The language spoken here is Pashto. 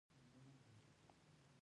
موږ لا دمخه ډیر په زړه پوري پلانونه لرو